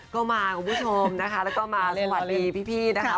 ก็มาคุณผู้ชมนะคะแล้วก็มาสวัสดีพี่นะคะ